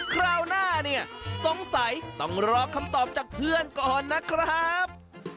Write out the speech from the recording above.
คราวหน้าเนี่ยสงสัยต้องรอคำตอบจากเพื่อนก่อนนะครับ